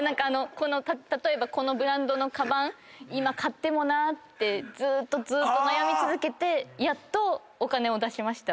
例えばこのブランドのかばん今買ってもなってずーっとずーっと悩み続けてやっとお金を出しました。